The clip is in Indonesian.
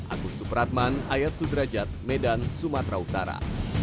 agus supratman ayat sudrajat medan sumatera utara